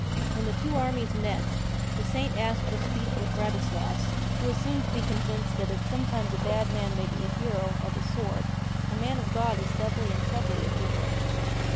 When the two armies met, the Saint asked for speech with Radislas — who was soon to be convinced that if sometimes a bad man may be a hero — of a sort, a man of God is doubly and trebly a hero.